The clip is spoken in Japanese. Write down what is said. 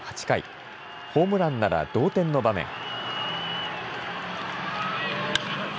８回、ホームランなら同点の場面。